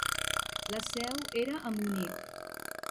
La seu era a Munic.